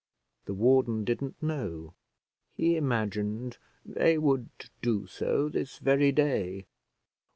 The warden didn't know; he imagined they would do so this very day.